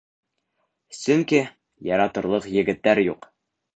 Сөнки яратырлыҡ егеттәр юҡ.